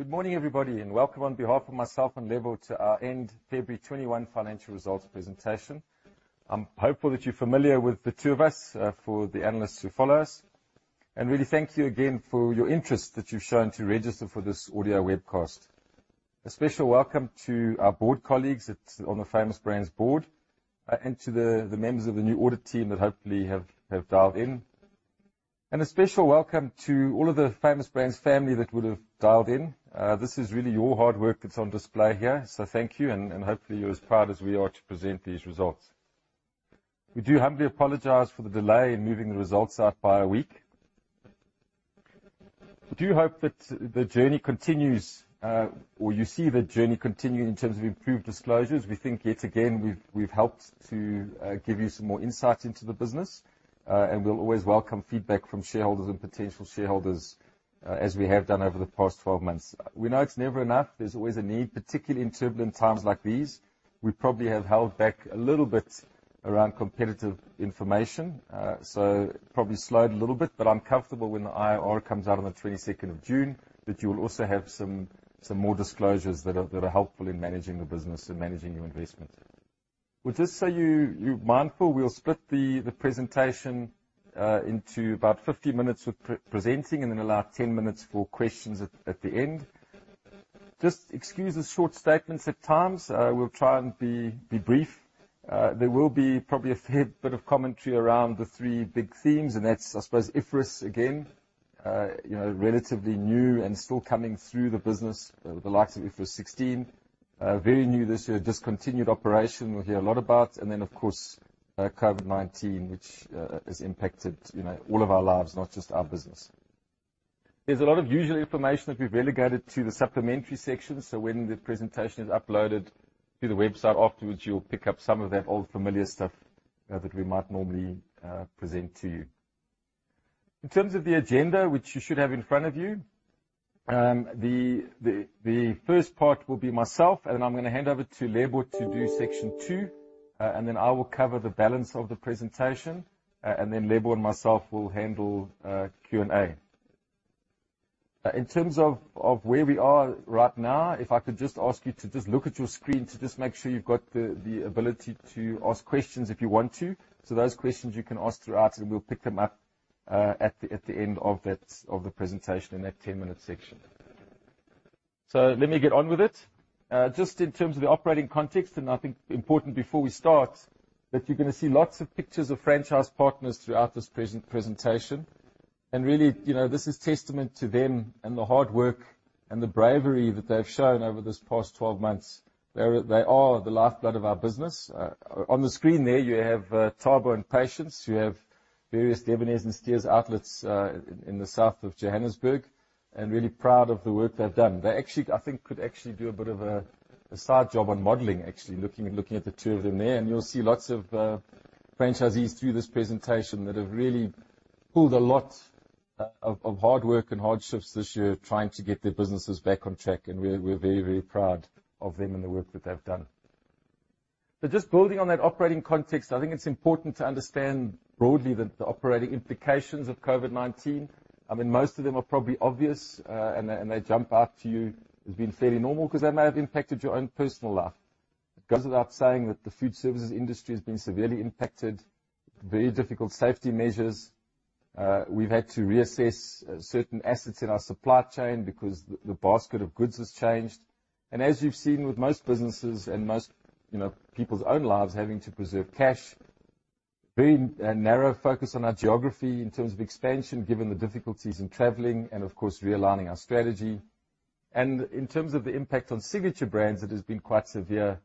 Good morning, everybody, and welcome on behalf of myself and Lebo to our end February 2021 financial results presentation. I'm hopeful that you're familiar with the two of us for the analysts who follow us. Really, thank you again for your interest that you've shown to register for this audio webcast. A special welcome to our board colleagues on the Famous Brands board and to the members of the new audit team that hopefully have dialed in. A special welcome to all of the Famous Brands family that would've dialed in. This is really your hard work that's on display here. Thank you, and hopefully you're as proud as we are to present these results. We do humbly apologize for the delay in moving the results out by a week. We do hope that the journey continues, or you see the journey continue in terms of improved disclosures. We think, yet again, we've helped to give you some more insight into the business. We'll always welcome feedback from shareholders and potential shareholders, as we have done over the past 12 months. We know it's never enough. There's always a need, particularly in turbulent times like these. We probably have held back a little bit around competitive information. Probably slowed a little bit, but I'm comfortable when IR comes out on the 22nd of June that you'll also have some more disclosures that are helpful in managing the business and managing your investment. Well, just so you're mindful, we'll split the presentation into about 50 minutes of presenting and allow 10 minutes for questions at the end. Just excuse the short statements at times. We'll try and be brief. There will be probably a fair bit of commentary around the three big themes, and that's, I suppose, IFRS again. Relatively new and still coming through the business, the likes of IFRS 16. Very new this year, discontinued operation we'll hear a lot about. Then of course, COVID-19, which has impacted all of our lives, not just our business. There's a lot of usual information that we've relegated to the supplementary section. When the presentation is uploaded to the website afterwards, you'll pick up some of that old familiar stuff that we might normally present to you. In terms of the agenda, which you should have in front of you, the first part will be myself, and I'm going to hand over to Lebo to do Section Two, and then I will cover the balance of the presentation, and then Lebo and myself will handle Q&A. In terms of where we are right now, if I could just ask you to just look at your screen to just make sure you've got the ability to ask questions if you want to. Those questions you can ask throughout, and we'll pick them up at the end of the presentation in that 10-minute section. Let me get on with it. Just in terms of the operating context, and I think important before we start, that you're going to see lots of pictures of franchise partners throughout this presentation. Really, this is testament to them and the hard work and the bravery that they've shown over this past 12 months. They are the lifeblood of our business. On the screen there, you have Thabo and Patience, who have various Debonairs and Steers outlets in the south of Johannesburg, and really proud of the work they've done. They actually, I think could actually do a bit of a side job on modeling, actually, looking at the two of them there. You'll see lots of franchisees through this presentation that have really pulled a lot of hard work and hardships this year trying to get their businesses back on track, and we're very proud of them and the work that they've done. Just building on that operating context, I think it's important to understand broadly that the operating implications of COVID-19, I mean, most of them are probably obvious and they jump out to you as being fairly normal because they may have impacted your own personal life. It goes without saying that the food services industry has been severely impacted, very difficult safety measures. We've had to reassess certain assets in our supply chain because the basket of goods has changed. As you've seen with most businesses and most people's own lives having to preserve cash, very narrow focus on our geography in terms of expansion, given the difficulties in traveling and of course, realigning our strategy. In terms of the impact on Signature Brands, it has been quite severe,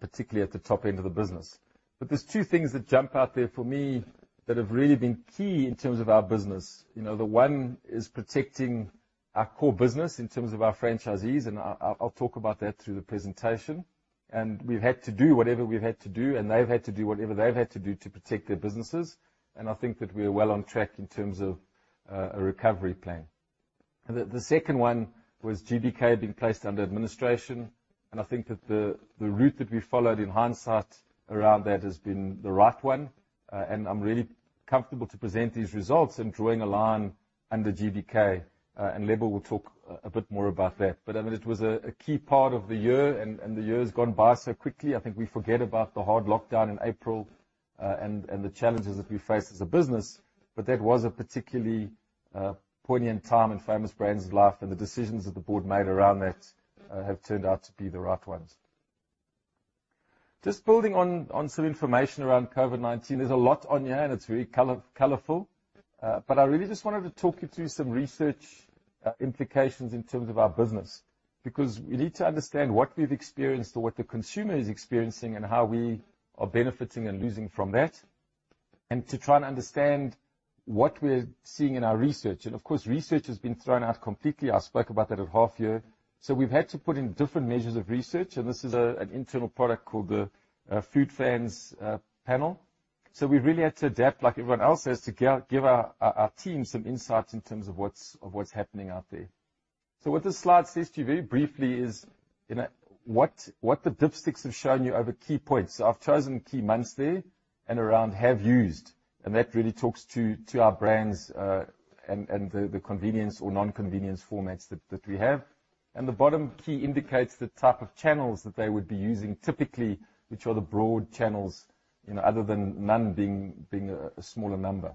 particularly at the top end of the business. There's two things that jump out there for me that have really been key in terms of our business. The one is protecting our core business in terms of our franchisees, and I'll talk about that through the presentation. We've had to do whatever we've had to do, and they've had to do whatever they've had to do to protect their businesses. I think that we're well on track in terms of a recovery plan. The second one was GBK being placed under administration, and I think that the route that we followed in hindsight around that has been the right one, and I'm really comfortable to present these results and drawing a line under GBK, and Lebo will talk a bit more about that. It was a key part of the year and the year has gone by so quickly. I think we forget about the hard lockdown in April and the challenges that we faced as a business. That was a particularly poignant time in Famous Brands' life and the decisions that the board made around that have turned out to be the right ones. Just building on some information around COVID-19. There's a lot on here and it's very colorful. I really just wanted to talk you through some research implications in terms of our business, because we need to understand what we've experienced or what the consumer is experiencing and how we are benefiting and losing from that, and to try and understand what we're seeing in our research. Of course, research has been thrown out completely. I spoke about that at half year. We've had to put in different measures of research, and this is an internal product called the Food Fans Panel. We really had to adapt like everyone else has to give our team some insights in terms of what's happening out there. What this slide says to you very briefly is what the dipsticks have shown you are the key points. I've chosen key months there. That really talks to our brands and the convenience or non-convenience formats that we have. The bottom key indicates the type of channels that they would be using typically, which are the broad channels, other than one being a smaller number.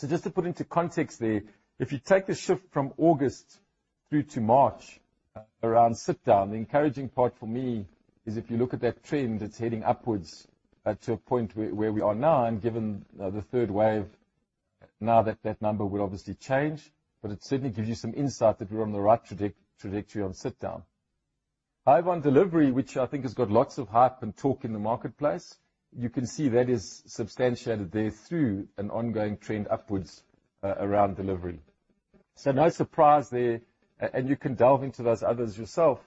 Just to put into context there, if you take the shift from August through to March around sit-down, the encouraging part for me is if you look at that trend, it's heading upwards to a point where we are now and given the third wave, now that that number will obviously change. It certainly gives you some insight that we're on the right trajectory on sit-down. Drive and delivery, which I think has got lots of hype and talk in the marketplace, you can see that is substantiated there through an ongoing trend upwards around delivery. No surprise there, and you can delve into those others yourself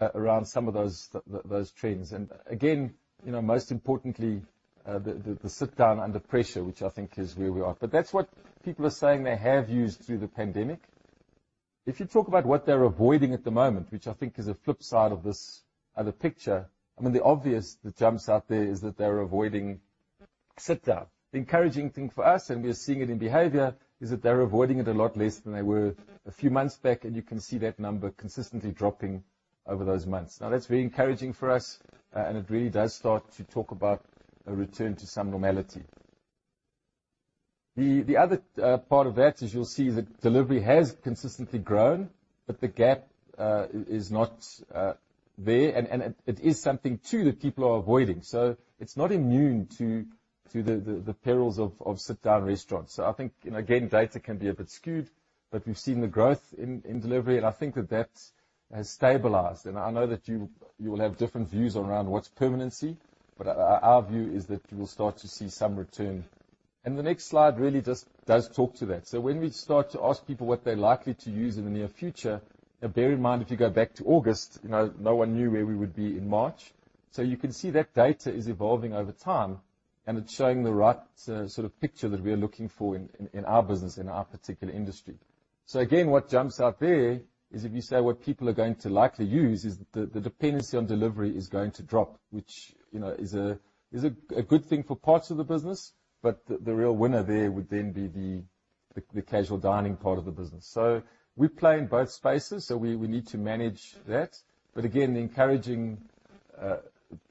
around some of those trends. Again, most importantly, the sit-down under pressure, which I think is where we are. That's what people are saying they have used through the pandemic. If you talk about what they're avoiding at the moment, which I think is a flip side of this other picture, I mean, the obvious that jumps out there is that they're avoiding sit-down. The encouraging thing for us, and we're seeing it in behavior, is that they're avoiding it a lot less than they were a few months back, and you can see that number consistently dropping over those months. That's very encouraging for us, and it really does start to talk about a return to some normality. The other part of that is you'll see that delivery has consistently grown, but the gap is not there. It is something too that people are avoiding. It's not immune to the perils of sit-down restaurants. I think, again, data can be a bit skewed, but we've seen the growth in delivery, and I think that that's stabilized. I know that you will have different views around what's permanency, but our view is that you will start to see some return. The next slide really just does talk to that. When we start to ask people what they're likely to use in the near future, bear in mind, if you go back to August, no one knew where we would be in March. You can see that data is evolving over time, and it's showing the right sort of picture that we're looking for in our business, in our particular industry. Again, what jumps out there is if you say what people are going to likely use, is the dependency on delivery is going to drop, which is a good thing for parts of the business, but the real winner there would then be the casual dining part of the business. We play in both spaces, so we need to manage that. Again, the encouraging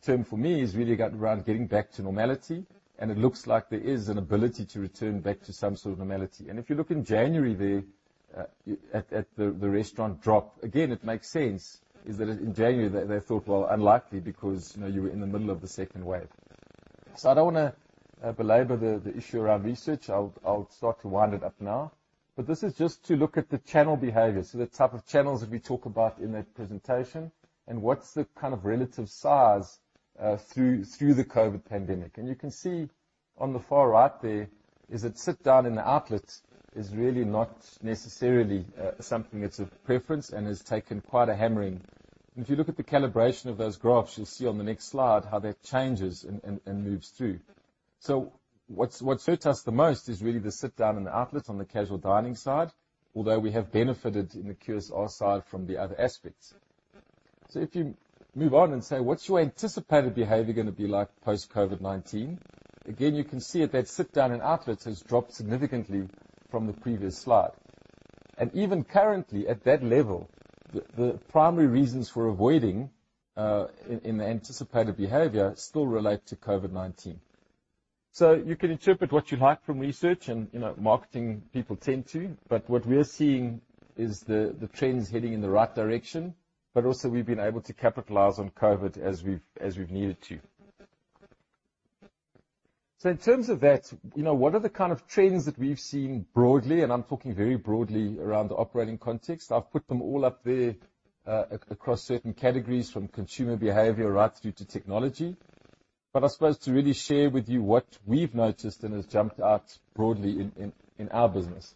term for me is really around getting back to normality, and it looks like there is an ability to return back to some sort of normality. If you look in January there at the restaurant drop, again, it makes sense, is that in January they thought, well, unlikely because you're in the middle of the second wave. I don't want to belabor the issue around research. I'll start to wind it up now. This is just to look at the channel behavior, so the type of channels that we talk about in that presentation, and what's the kind of relative size through the COVID pandemic. You can see on the far right there is that sit-down in outlets is really not necessarily something that's of preference and has taken quite a hammering. If you look at the calibration of those graphs, you'll see on the next slide how that changes and moves, too. What's hurt us the most is really the sit-down and outlets on the casual dining side, although we have benefited in the QSR side from the other aspects. If you move on and say, what's your anticipated behavior going to be like post-COVID-19? Again, you can see that sit-down and outlets has dropped significantly from the previous slide. Even currently at that level, the primary reasons for avoiding in the anticipated behavior still relate to COVID-19. You can interpret what you like from research and marketing people tend to, but what we're seeing is the trends heading in the right direction, but also we've been able to capitalize on COVID as we've needed to. In terms of that, what are the kind of trends that we've seen broadly, and I'm talking very broadly around operating context. I've put them all up there across certain categories from consumer behavior right through to technology. I suppose to really share with you what we've noticed and has jumped out broadly in our business.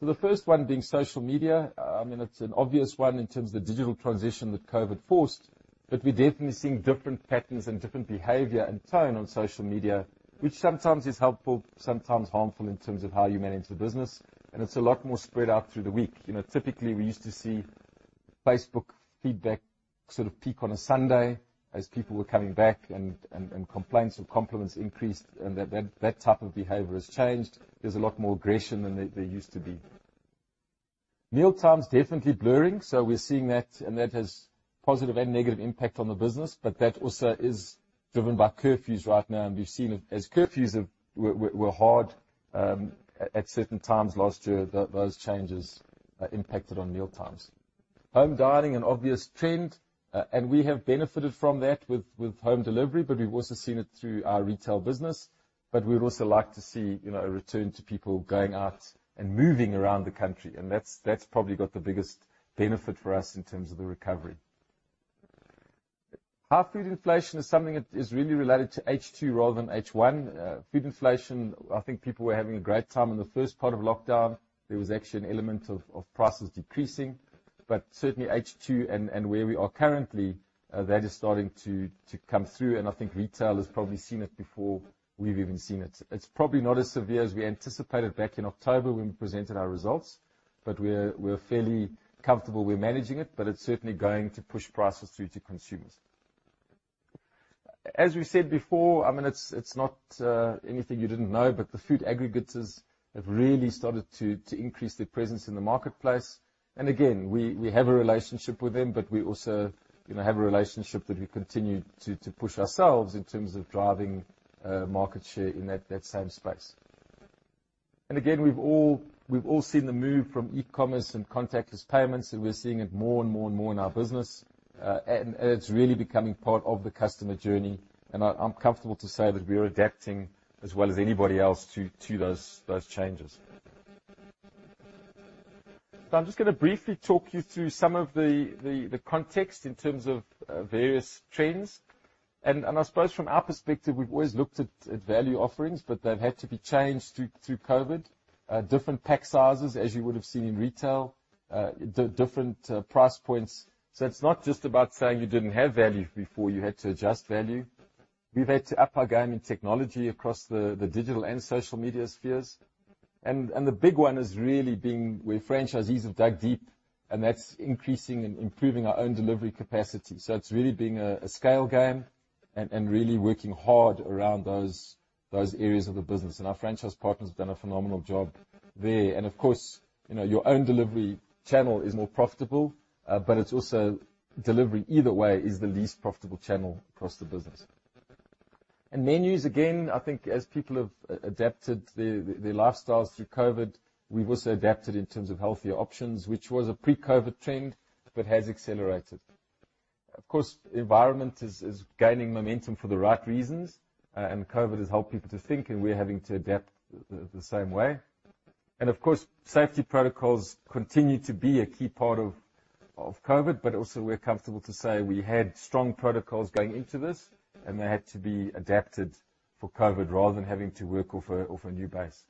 The first one being social media. I mean, it's an obvious one in terms of digital transition that COVID forced, but we're definitely seeing different patterns and different behavior and tone on social media, which sometimes is helpful, sometimes harmful in terms of how you manage the business, and it's a lot more spread out through the week. Typically, we used to see Facebook feedback sort of peak on a Sunday as people were coming back and complaints or compliments increased, and that type of behavior has changed. There's a lot more aggression than there used to be. Mealtime's definitely blurring, so we're seeing that and that has positive and negative impact on the business. That also is driven by curfews right now, and we've seen as curfews were hard at certain times last year, that those changes impacted on mealtimes. Home dining, an obvious trend, and we have benefited from that with home delivery, but we've also seen it through our retail business. We'd also like to see a return to people going out and moving around the country, and that's probably got the biggest benefit for us in terms of the recovery. Half food inflation is something that is really related to H2 rather than H1. Food inflation, I think people were having a great time in the first part of lockdown. There was actually an element of prices decreasing. Certainly H2 and where we are currently, that is starting to come through, and I think retail has probably seen it before we've even seen it. It's probably not as severe as we anticipated back in October when we presented our results. We're fairly comfortable we're managing it, but it's certainly going to push prices through to consumers. As we said before, it's not anything you didn't know, but the food aggregators have really started to increase their presence in the marketplace. Again, we have a relationship with them, but we also have a relationship that we continue to push ourselves in terms of driving market share in that same space. Again, we've all seen the move from e-commerce and contactless payments, and we're seeing it more and more in our business. It's really becoming part of the customer journey, and I'm comfortable to say that we're adapting as well as anybody else to those changes. I'm just going to briefly talk you through some of the context in terms of various trends. I suppose from our perspective, we've always looked at value offerings, but that had to be changed through COVID. Different pack sizes, as you would have seen in retail, different price points. It's not just about saying you didn't have value before, you had to adjust value. We've had to up our game in technology across the digital and social media spheres. The big one has really been where franchisees have dug deep, and that's increasing and improving our own delivery capacity. It's really been a scale game and really working hard around those areas of the business. Our franchise partners have done a phenomenal job there. Of course, your own delivery channel is more profitable, but delivery either way is the least profitable channel across the business. Menus, again, I think as people have adapted their lifestyles through COVID, we've also adapted in terms of healthier options, which was a pre-COVID trend, but has accelerated. Of course, environment is gaining momentum for the right reasons. COVID has helped people to think. We're having to adapt the same way. Of course, safety protocols continue to be a key part of COVID, but also we're comfortable to say we had strong protocols going into this, and they had to be adapted for COVID rather than having to work off a new base.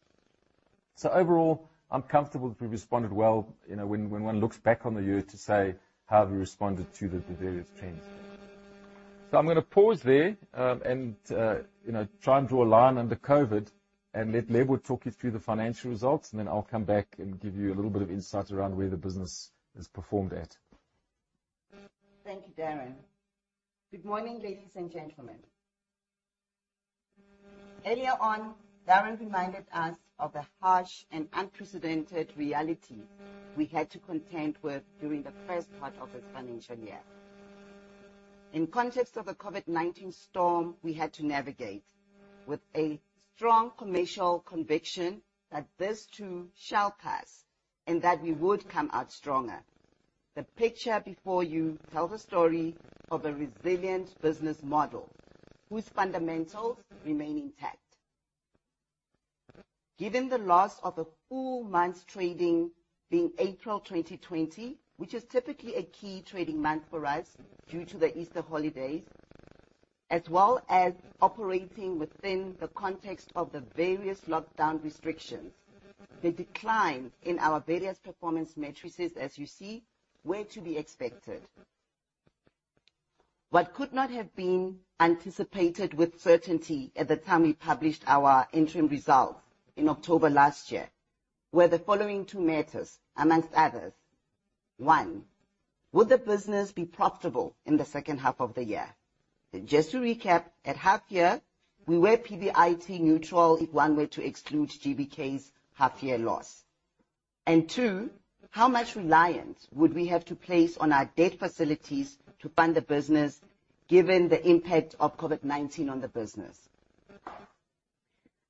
Overall, I'm comfortable that we've responded well, when one looks back on the year to say, how have we responded to the various trends. I'm going to pause there and try and draw a line under COVID and let Lebo talk you through the financial results, and then I'll come back and give you a little bit of insight around where the business has performed at. Thank you, Darren. Good morning, ladies and gentlemen. Earlier on, Darren reminded us of the harsh and unprecedented reality we had to contend with during the first part of this financial year. In context of the COVID-19 storm, we had to navigate with a strong commercial conviction that this too shall pass, and that we would come out stronger. The picture before you tells a story of a resilient business model whose fundamentals remain intact. Given the loss of a full month's trading being April 2020, which is typically a key trading month for us due to the Easter holidays, as well as operating within the context of the various lockdown restrictions, the decline in our various performance matrices, as you see, were to be expected. What could not have been anticipated with certainty at the time we published our interim results in October last year, were the following two matters, amongst others. One, would the business be profitable in the second half of the year? Just to recap, at half year, we were PBIT neutral if one were to exclude GBK's half year loss. Two, how much reliance would we have to place on our debt facilities to fund the business given the impact of COVID-19 on the business?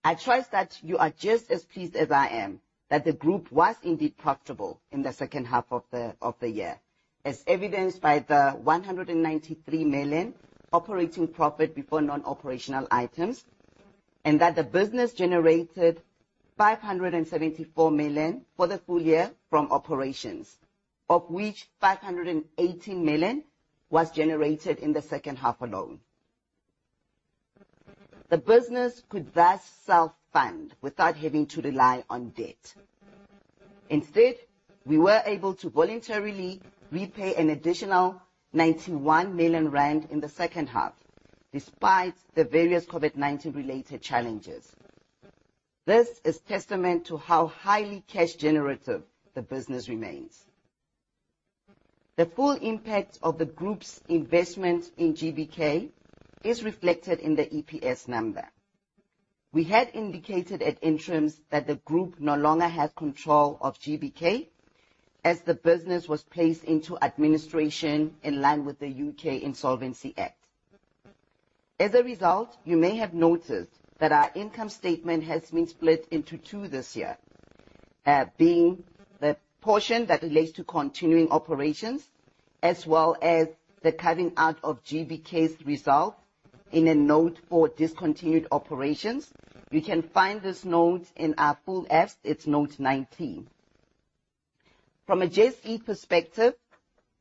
I trust that you are just as pleased as I am that the group was indeed profitable in the second half of the year, as evidenced by the 193 million operating profit before non-operational items, and that the business generated 574 million for the full year from operations, of which 518 million was generated in the second half alone. The business could thus self-fund without having to rely on debt. Instead, we were able to voluntarily repay an additional 91 million rand in the second half, despite the various COVID-19 related challenges. This is testament to how highly cash generative the business remains. The full impact of the group's investment in GBK is reflected in the EPS number. We had indicated at interim that the group no longer has control of GBK, as the business was placed into administration in line with the U.K. Insolvency Act 1986. As a result, you may have noticed that our income statement has been split into two this year, being the portion that relates to continuing operations, as well as the cutting out of GBK's results in a note for discontinued operations. You can find this note in our full S, it's Note 19. From a JSE perspective,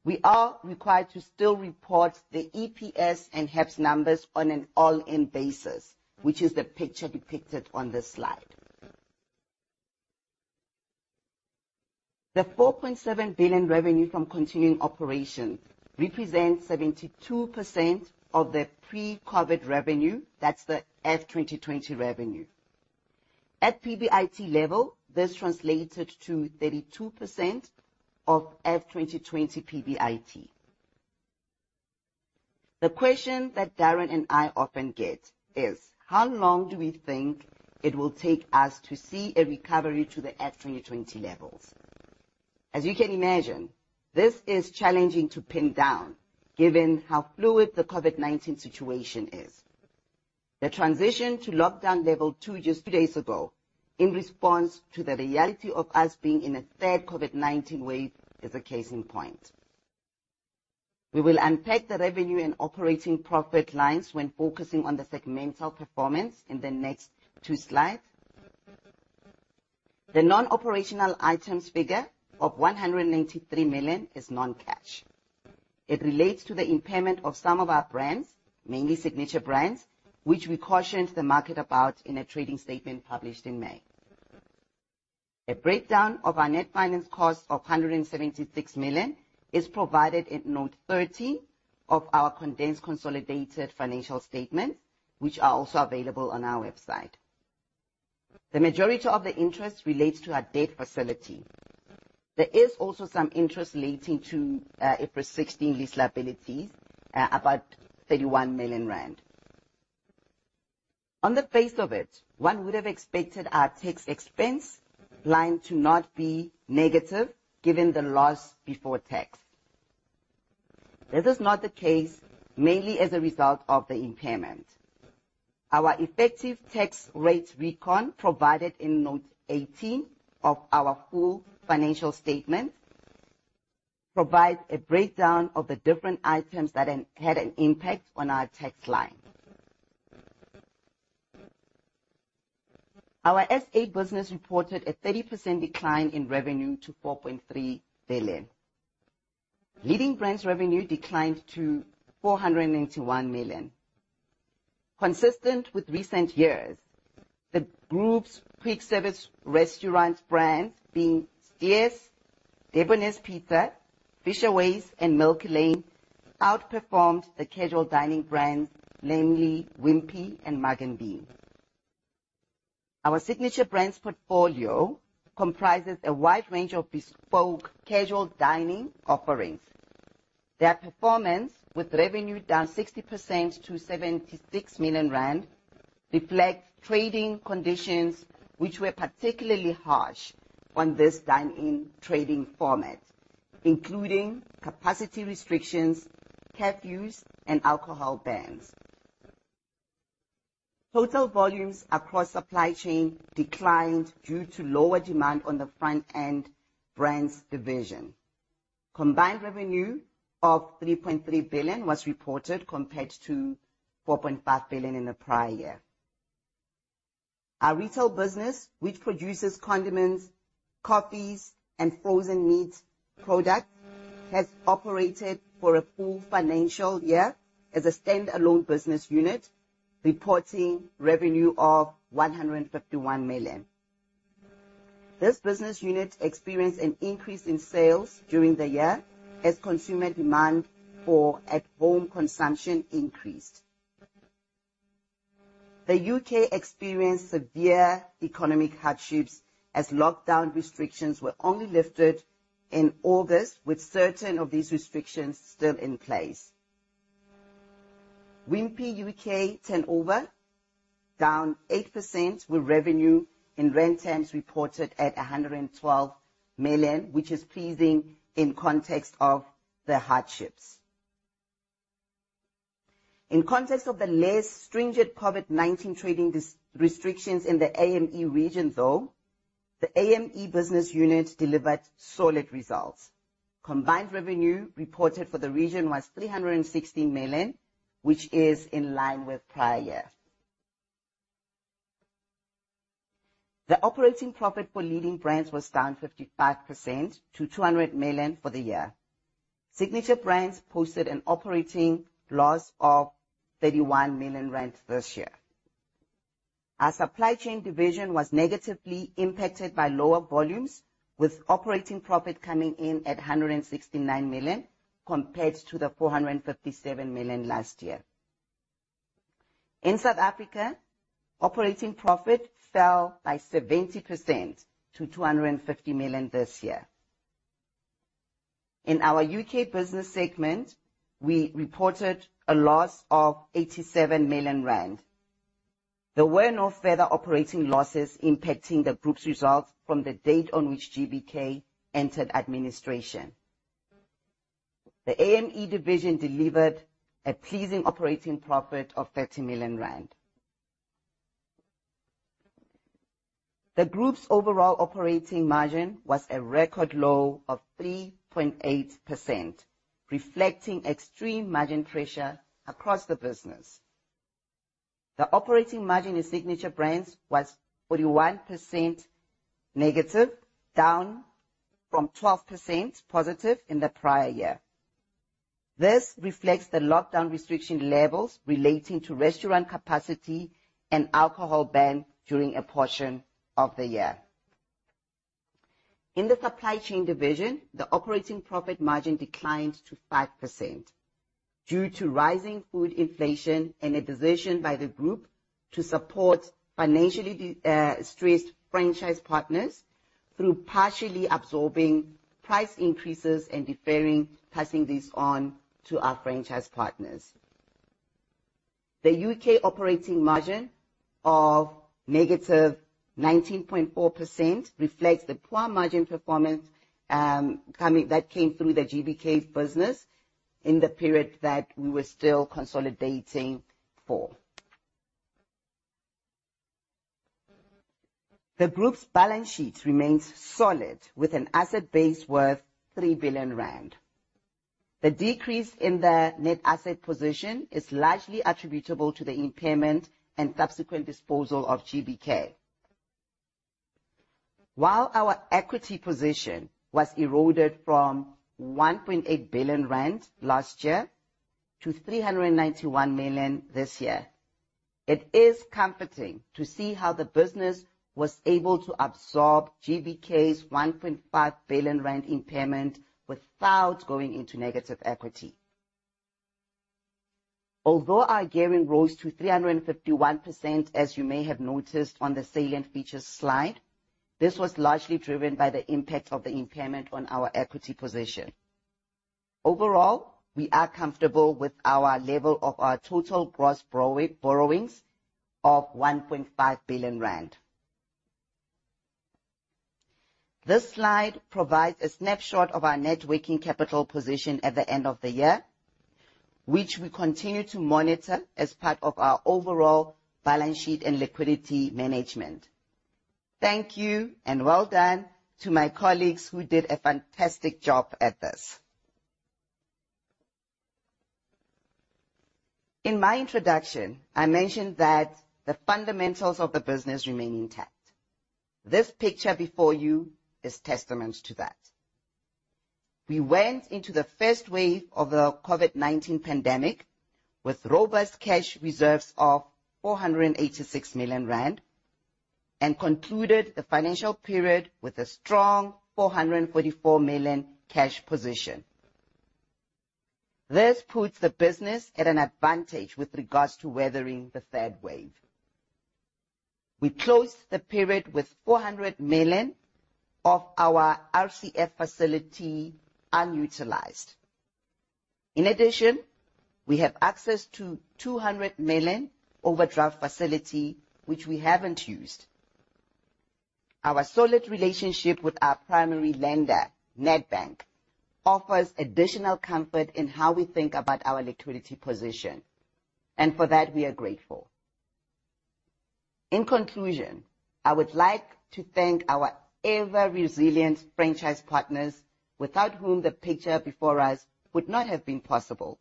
we are required to still report the EPS and HEPS numbers on an all-in basis, which is the picture depicted on this slide. The 4.7 billion revenue from continuing operations represents 72% of the pre-COVID revenue, that's the F2020 revenue. At PBIT level, this translated to 32% of F2020 PBIT. The question that Darren and I often get is, how long do we think it will take us to see a recovery to the FY20 levels? As you can imagine, this is challenging to pin down given how fluid the COVID-19 situation is. The transition to lockdown Level 2 just two days ago in response to the reality of us being in a third COVID-19 wave is a case in point. We will unpack the revenue and operating profit lines when focusing on the segmental performance in the next two slides. The non-operational items figure of 193 million is non-cash. It relates to the impairment of some of our brands, mainly Signature Brands, which we cautioned the market about in a trading statement published in May. The breakdown of our net finance cost of 176 million is provided at Note 13 of our condensed consolidated financial statement, which are also available on our website. The majority of the interest relates to our debt facility. There is also some interest relating to IFRS 16 liabilities, about 31 million rand. On the face of it, one would have expected our tax expense line to not be negative given the loss before tax. This is not the case mainly as a result of the impairment. Our effective tax rate recon provided in Note 18 of our full financial statement provides a breakdown of the different items that had an impact on our tax line. Our SA business reported a 30% decline in revenue to 4.3 billion. Leading Brands revenue declined to 491 million. Consistent with recent years, the group's quick service restaurant brands, being Steers, Debonairs Pizza, Fishaways, and Milky Lane, outperformed the casual dining brands, namely Wimpy and Mugg & Bean. Our Signature Brands portfolio comprises a wide range of bespoke casual dining offerings. Their performance, with revenue down 60% to 76 million rand, reflect trading conditions which were particularly harsh on this dine-in trading format, including capacity restrictions, curfews, and alcohol bans. Total volumes across supply chain declined due to lower demand on the front-end brands division. Combined revenue of 3.3 billion was reported compared to 4.5 billion in the prior year. Our retail business, which produces condiments, coffees, and frozen meats product, has operated for a full financial year as a standalone business unit, reporting revenue of 151 million. This business unit experienced an increase in sales during the year as consumer demand for at home consumption increased. The U.K. experienced severe economic hardships as lockdown restrictions were only lifted in August, with certain of these restrictions still in place. Wimpy UK turnover down 8%, with revenue in rand terms reported at 112 million, which is pleasing in context of the hardships. In context of the less stringent COVID-19 trading restrictions in the AME region, though, the AME business unit delivered solid results. Combined revenue reported for the region was 360 million, which is in line with prior year. The operating profit for Leading Brands was down 55% to 200 million for the year. Signature Brands posted an operating loss of 31 million this year. Our supply chain division was negatively impacted by lower volumes, with operating profit coming in at 169 million compared to the 457 million last year. In South Africa, operating profit fell by 70% to 250 million this year. In our U.K. business segment, we reported a loss of 87 million rand. There were no further operating losses impacting the group's results from the date on which GBK entered administration. The AME division delivered a pleasing operating profit of 30 million rand. The group's overall operating margin was a record low of 3.8%, reflecting extreme margin pressure across the business. The operating margin in Signature Brands was 41% negative, down from 12% positive in the prior year. This reflects the lockdown restriction levels relating to restaurant capacity and alcohol ban during a portion of the year. In the supply chain division, the operating profit margin declined to 5% due to rising food inflation and a decision by the group to support financially stressed franchise partners. Through partially absorbing price increases and deferring passing these on to our franchise partners. The U.K. operating margin of negative 19.4% reflects the poor margin performance that came through the GBK business in the period that we were still consolidating for. The group's balance sheet remains solid with an asset base worth 3 billion rand. The decrease in the net asset position is largely attributable to the impairment and subsequent disposal of GBK. While our equity position was eroded from 1.8 billion rand last year to 391 million this year, it is comforting to see how the business was able to absorb GBK's 1.5 billion rand impairment without going into negative equity. Although our gearing rose to 351%, as you may have noticed on the salient features slide, this was largely driven by the impact of the impairment on our equity position. Overall, we are comfortable with our level of our total gross borrowings of 1.5 billion rand. This slide provides a snapshot of our net working capital position at the end of the year, which we continue to monitor as part of our overall balance sheet and liquidity management. Thank you and well done to my colleagues who did a fantastic job at this. In my introduction, I mentioned that the fundamentals of the business remain intact. This picture before you is testament to that. We went into the first wave of the COVID-19 pandemic with robust cash reserves of 486 million rand and concluded the financial period with a strong 444 million cash position. This puts the business at an advantage with regards to weathering the third wave. We closed the period with 400 million of our RCF facility unutilized. In addition, we have access to 200 million overdraft facility, which we haven't used. Our solid relationship with our primary lender, Nedbank, offers additional comfort in how we think about our liquidity position, and for that we are grateful. In conclusion, I would like to thank our ever-resilient franchise partners, without whom the picture before us would not have been possible.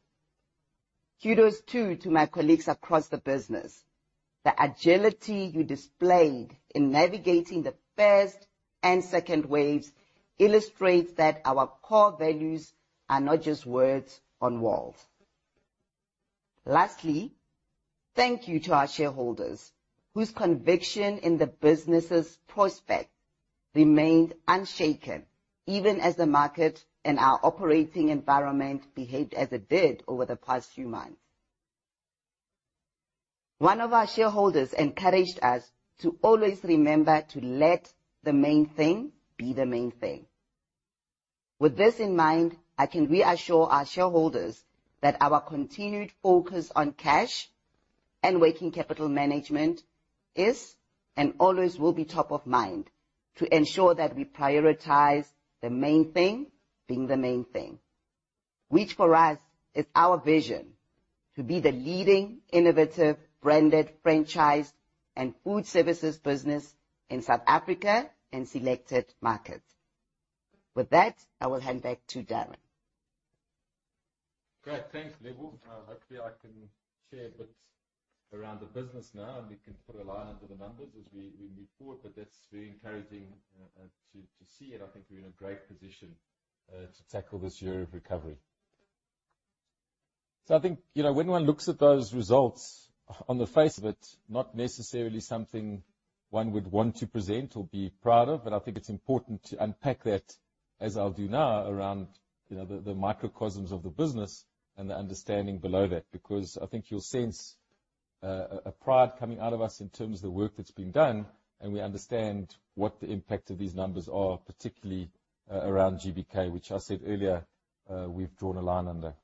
Kudos too to my colleagues across the business. The agility you displayed in navigating the first and second waves illustrates that our core values are not just words on walls. Lastly, thank you to our shareholders, whose conviction in the business's prospect remained unshaken even as the market and our operating environment behaved as it did over the past few months. One of our shareholders encouraged us to always remember to let the main thing be the main thing. With this in mind, I can reassure our shareholders that our continued focus on cash and working capital management is and always will be top of mind to ensure that we prioritize the main thing being the main thing, which for us is our vision to be the leading innovative, branded franchise and food services business in South Africa and selected markets. With that, I will hand back to Darren. Great. Thanks, Lebo. Hopefully, I can share a bit around the business now, and we can put a line under the numbers as we move forward, but that's very encouraging to see, and I think we're in a great position to tackle this year of recovery. I think, when one looks at those results on the face of it, not necessarily something one would want to present or be proud of, but I think it's important to unpack that, as I'll do now around the microcosms of the business and the understanding below that because I think you'll sense a pride coming out of us in terms of the work that's been done, and we understand what the impact of these numbers are, particularly around GBK, which I said earlier, we've drawn a line under.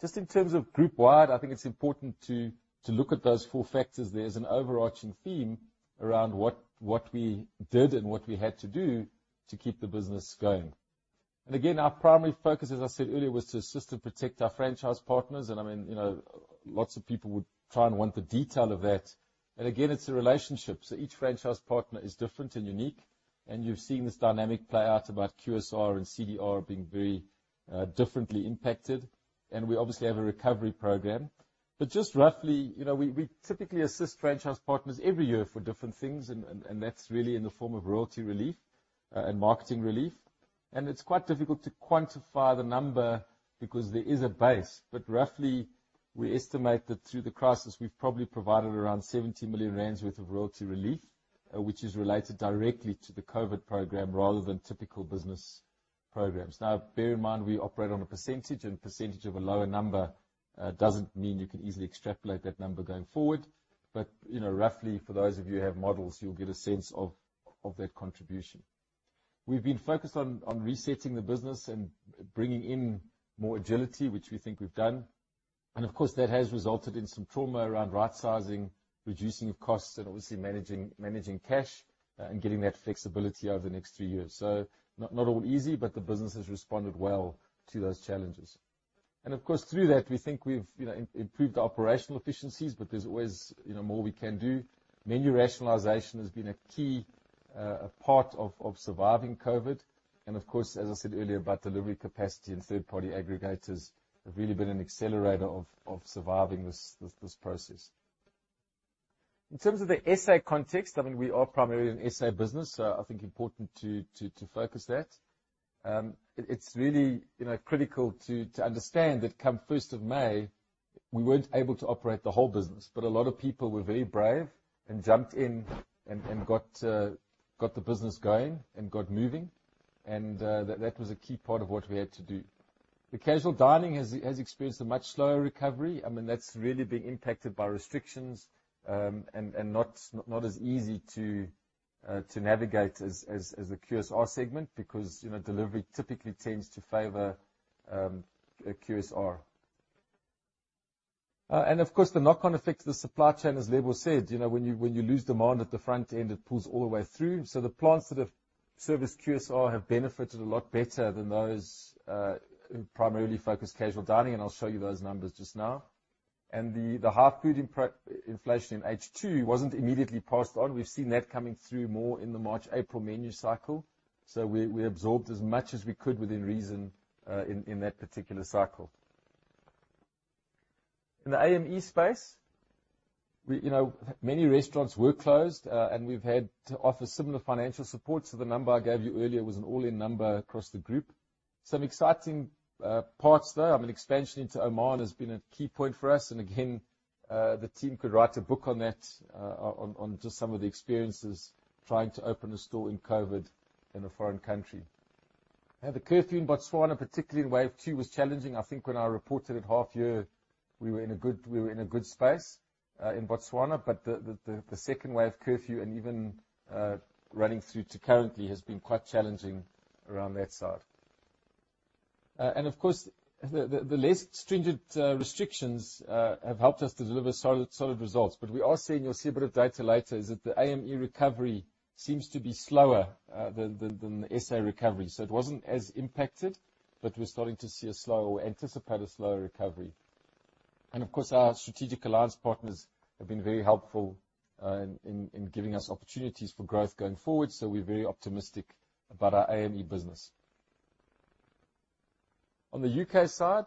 Just in terms of group wide, I think it's important to look at those four factors. There's an overarching theme around what we did and what we had to do to keep the business going. Again, our primary focus, as I said earlier, was to assist and protect our franchise partners, and lots of people would try and want the detail of that. Again, it's a relationship, so each franchise partner is different and unique, and you've seen this dynamic play out about QSR and CDR being very differently impacted. We obviously have a recovery program. Just roughly, we typically assist franchise partners every year for different things, and that's really in the form of royalty relief and marketing relief. It's quite difficult to quantify the number because there is a base, but roughly we estimate that through the crisis we've probably provided around 70 million rand worth of royalty relief, which is related directly to the COVID program rather than typical business programs. Bear in mind, we operate on a percentage, and percentage of a lower number doesn't mean you can easily extrapolate that number going forward. Roughly for those of you who have models, you'll get a sense of that contribution. We've been focused on resetting the business and bringing in more agility, which we think we've done. Of course, that has resulted in some trauma around rightsizing, reducing costs, and obviously managing cash and getting that flexibility over the next two years. Not all easy, but the business has responded well to those challenges. Of course, through that, we think we've improved operational efficiencies, but there's always more we can do. Menu rationalization has been a key, a part of surviving COVID. Of course, as I said earlier about delivery capacity and third-party aggregators have really been an accelerator of surviving this process. In terms of the SA context, I mean, we are primarily an SA business, so I think important to focus that. It's really critical to understand that come 1st of May, we weren't able to operate the whole business. A lot of people were very brave and jumped in and got the business going and got moving. That was a key part of what we had to do. The casual dining has experienced a much slower recovery. That's really been impacted by restrictions, and not as easy to navigate as the QSR segment because delivery typically tends to favor QSR. Of course, the knock-on effect of the supply chain, as Lebo said, when you lose demand at the front end, it pulls all the way through. The plants that have serviced QSR have benefited a lot better than those primarily focused casual dining, and I'll show you those numbers just now. The high food inflation in H2 wasn't immediately passed on. We've seen that coming through more in the March, April menu cycle. We absorbed as much as we could within reason in that particular cycle. In the AME space, many restaurants were closed, and we've had to offer similar financial support. The number I gave you earlier was an all-in number across the group. Some exciting parts, though, I mean, expansion into Oman has been a key point for us. Again, the team could write a book on that on just some of the experiences trying to open a store in COVID-19 in a foreign country. The curfew in Botswana, particularly in Wave 2, was challenging. I think when I reported at half year, we were in a good space in Botswana, but the second wave curfew and even running through to currently has been quite challenging around that side. Of course, the less stringent restrictions have helped us deliver solid results. We are seeing, you'll see a bit of data later, is that the AME recovery seems to be slower than the SA recovery. It wasn't as impacted, but we're starting to see a slow or anticipate a slower recovery. Of course, our strategic alliance partners have been very helpful in giving us opportunities for growth going forward. We're very optimistic about our AME business. On the U.K. side,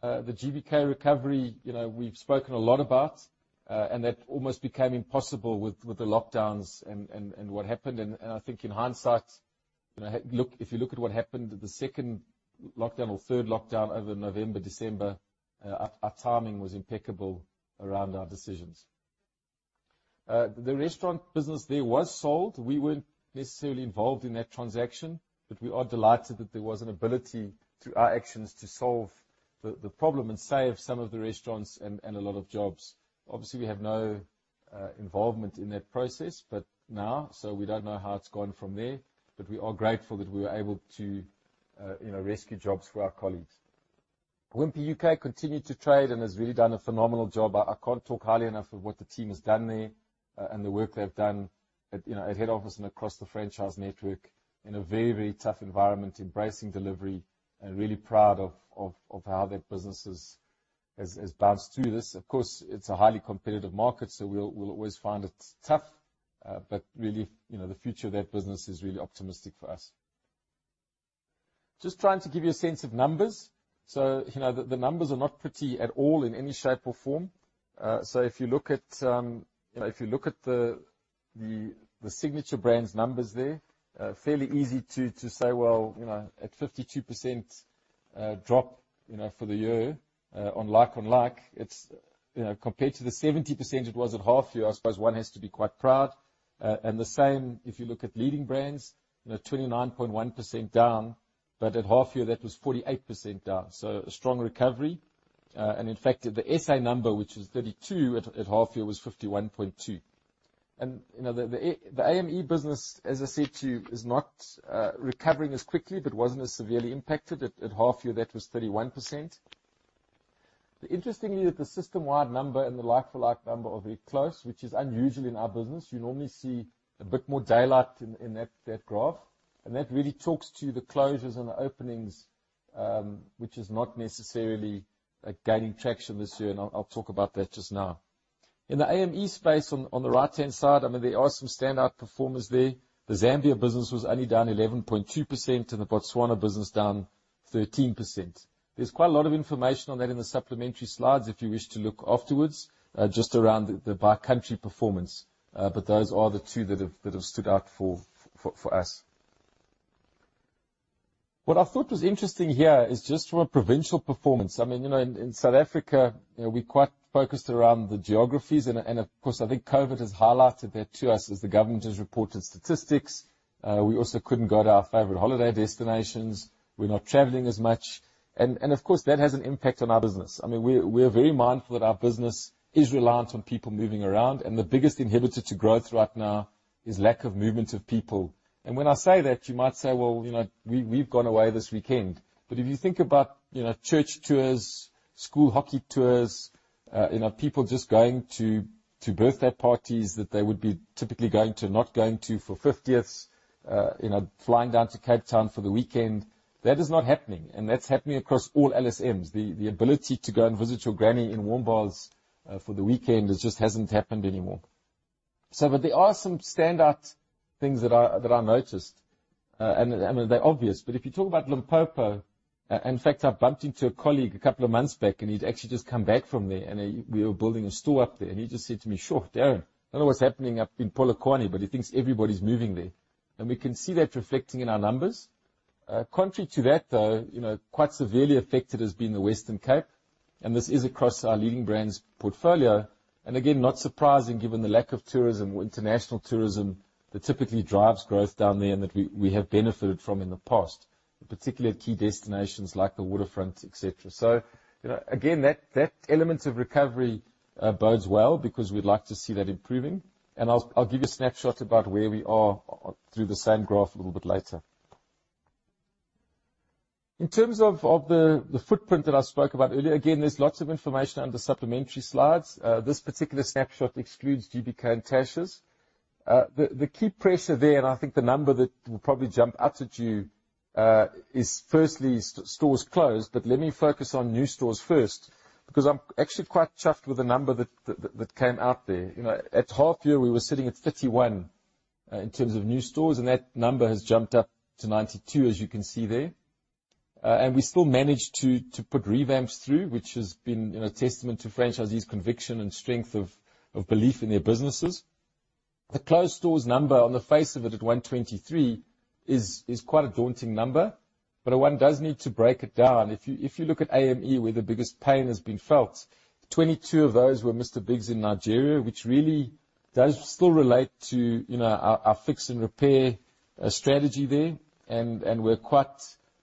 the GBK recovery, we've spoken a lot about, and that almost became impossible with the lockdowns and what happened. I think in hindsight, if you look at what happened, the second lockdown or third lockdown over November, December, our timing was impeccable around our decisions. The restaurant business there was sold. We weren't necessarily involved in that transaction, but we are delighted that there was an ability through our actions to solve the problem and save some of the restaurants and a lot of jobs. Obviously, we have no involvement in that process now, so we don't know how it's gone from there. We are grateful that we were able to rescue jobs for our colleagues. Wimpy UK continued to trade and has really done a phenomenal job. I can't talk highly enough of what the team has done there and the work they've done at head office and across the franchise network in a very, very tough environment, embracing delivery, and really proud of how that business has bounced through this. Of course, it's a highly competitive market, so we'll always find it tough. Really, the future of that business is really optimistic for us. Just trying to give you a sense of numbers. The numbers are not pretty at all in any shape or form. If you look at the Signature Brands numbers there, fairly easy to say, well, at 52% drop for the year on like-on-like, compared to the 70% it was at half year, I suppose one has to be quite proud. The same if you look at Leading Brands, 29.1% down, but at half year, that was 48% down. A strong recovery. In fact, the SA number, which was 32, at half year was 51.2. The AME business, as I said to you, is not recovering as quickly, but it wasn't as severely impacted. At half year, that was 31%. Interestingly, the system-wide number and the like-for-like number are very close, which is unusual in our business. We normally see a bit more daylight in that graph, and that really talks to the closures and openings, which is not necessarily gaining traction this year, and I'll talk about that just now. In the AME space on the right-hand side, there are some standout performers there. The Zambia business was only down 11.2% and the Botswana business down 13%. There's quite a lot of information on that in the supplementary slides if you wish to look afterwards, just around the by-country performance. Those are the two that have stood out for us. What I thought was interesting here is just from a provincial performance. In South Africa, we're quite focused around the geographies. Of course, I think COVID has highlighted that to us as the government has reported statistics. We also couldn't go to our favorite holiday destinations. We're not traveling as much. Of course, that has an impact on our business. We're very mindful that our business is reliant on people moving around, and the biggest inhibitor to growth right now is lack of movement of people. When I say that, you might say, well, we've gone away this weekend. If you think about church tours, school hockey tours, people just going to birthday parties that they would be typically going to, not going to for 50th, flying down to Cape Town for the weekend, that is not happening. That's happening across all LSMs. The ability to go and visit your granny in Warmbaths for the weekend just hasn't happened anymore. There are some standout things that I noticed, and they're obvious. If you talk about Limpopo, in fact, I bumped into a colleague a couple of months back, he'd actually just come back from there, and we were building a store up there. He just said to me, "Sjo, Darren, I don't know what's happening up in Polokwane," but he thinks everybody's moving there. We can see that reflecting in our numbers. Contrary to that, though, quite severely affected has been the Western Cape. This is across our Leading Brands portfolio. Again, not surprising given the lack of tourism or international tourism that typically drives growth down there and that we have benefited from in the past, particularly key destinations like the Waterfront, et cetera. Again, that element of recovery bodes well because we'd like to see that improving. I'll give you a snapshot about where we are through the same graph a little bit later. In terms of the footprint that I spoke about earlier, again, there's lots of information under supplementary slides. This particular snapshot excludes GBK and tashas. The key pressure there, I think the number that will probably jump out at you is firstly stores closed, let me focus on new stores first, because I'm actually quite chuffed with the number that came out there. At half year, we were sitting at 51 in terms of new stores, that number has jumped up to 92, as you can see there. We still managed to put revamps through, which has been a testament to franchisees' conviction and strength of belief in their businesses. The closed stores number on the face of it at 123 is quite a daunting number, one does need to break it down. If you look at AME, where the biggest pain has been felt, 22 of those were Mr Bigg's in Nigeria, which really does still relate to our fix and repair strategy there, we're quite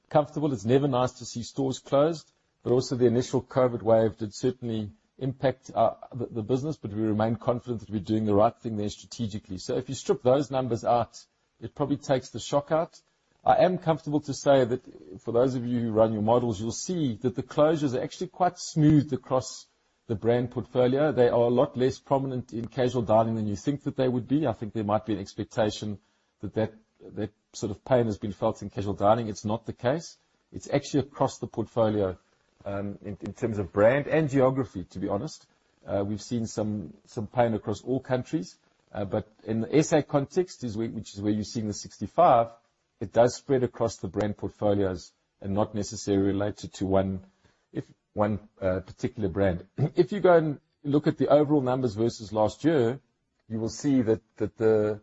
comfortable. It's never nice to see stores closed, but also the initial COVID wave did certainly impact the business, but we remain confident that we're doing the right thing there strategically. If you strip those numbers out, it probably takes the shock out. I am comfortable to say that for those of you who run your models, you'll see that the closures are actually quite smooth across the brand portfolio. They are a lot less prominent in casual dining than you think that they would be. I think there might be an expectation that that sort of pain has been felt in casual dining. It's not the case. It's actually across the portfolio in terms of brand and geography, to be honest. We've seen some pain across all countries. In the SA context, which is where you're seeing the 65, it does spread across the brand portfolios and not necessarily related to one particular brand. If you go and look at the overall numbers versus last year, you will see that the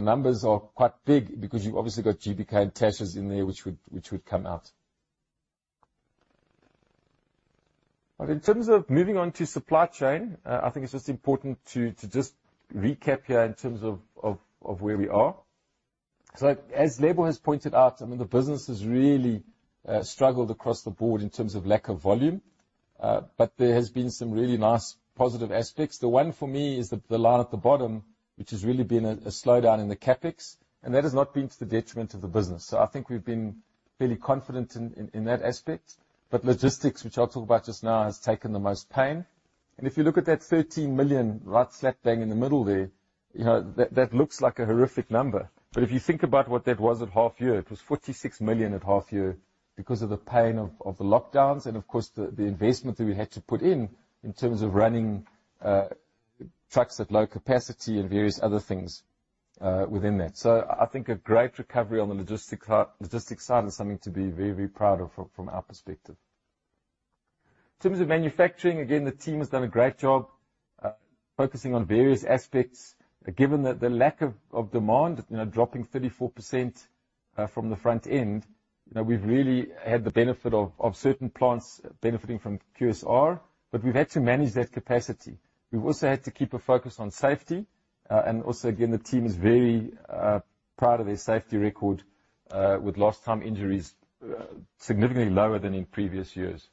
numbers are quite big because you've obviously got GBK and tashas in there, which would come out. In terms of moving on to supply chain, I think it's just important to just recap here in terms of where we are. As Lebo has pointed out, the business has really struggled across the board in terms of lack of volume. There has been some really nice positive aspects. The one for me is the line at the bottom, which has really been a slowdown in the CapEx, and that has not been to the detriment of the business. I think we've been fairly confident in that aspect. Logistics, which I'll talk about just now, has taken the most pain. If you look at that 13 million right slap bang in the middle there, that looks like a horrific number. If you think about what that was at half year, it was 46 million at half year because of the pain of the lockdowns and of course, the investment that we had to put in terms of running trucks at low capacity and various other things within that. I think a great recovery on the logistics side is something to be very proud of from our perspective. In terms of manufacturing, again, the team has done a great job focusing on various aspects. Given that the lack of demand, dropping 34% from the front end, we've really had the benefit of certain plants benefiting from QSR, but we've had to manage that capacity. We've also had to keep a focus on safety, and also, again, the team is very proud of their safety record with lost time injuries significantly lower than in previous years.